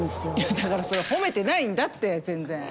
だからそれ褒めてないんだって全然。